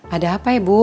ada apa ibu